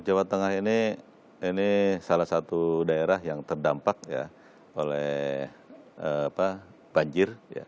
jawa tengah ini salah satu daerah yang terdampak oleh banjir